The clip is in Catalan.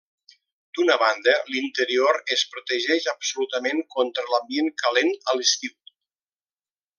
D'una banda, l'interior es protegeix absolutament contra l'ambient calent a l'estiu.